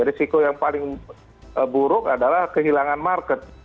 risiko yang paling buruk adalah kehilangan market